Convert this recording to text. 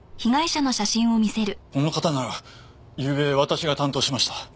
この方ならゆうべ私が担当しました。